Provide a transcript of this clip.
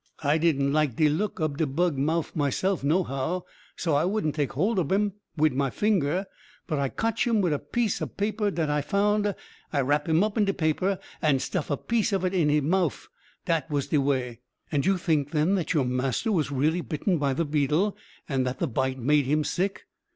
I didn't like de look ob de bug mouff, myself, nohow, so I wouldn't take hold ob him wid my finger, but I cotch him wid a piece ob paper dat I found. I rap him up in de paper and stuff a piece of it in he mouff dat was de way." "And you think, then, that your master was really bitten by the beetle, and that the bite made him sick?"